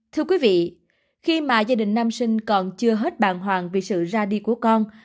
thưa quý vị khi mà gia đình nam sinh còn chưa hết bàng hoàng vì sự ra đi của con